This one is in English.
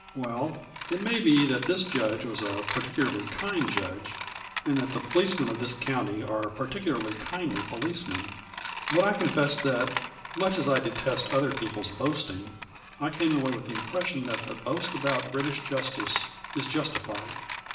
Well, it may be that this judge was a particularly kind judge and that the policemen of this county are particularly kindly policemen, but I confess that, much as I detest other people's boasting, I came away with the impression that the boast about British justice is justified.